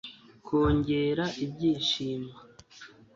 kongera ibyishimo